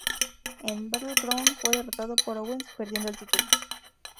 En Battleground, fue derrotado por Owens, perdiendo el título.